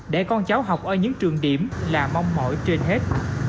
để con cháu học ở những trường điểm là mong mỏi trên hết